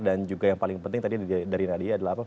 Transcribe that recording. dan juga yang paling penting tadi dari nadia adalah apa